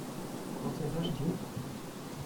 Brauchst du ein Taschentuch?